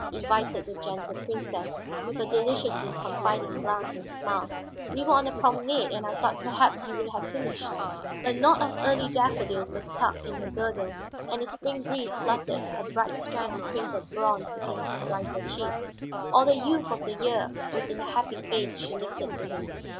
invited the Gentle Princess, with her deliciously confiding glance and smile. "We were on the promenade, and I thought perhaps you would have finished " [Illustration: "Will you ride with me, Monseigneur?"] A knot of early daffodils was tucked in her girdle, the spring breeze fluttered a bright strand of crinkled bronze against her brighter cheek; all the youth of the year was in the happy face she lifted to him.